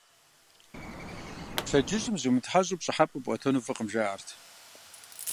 Пщэдджыжьым зумытхьэщӀу пщӀыхьэпӀэ пӀуэтэну фӀыкъым, жаӀэрт.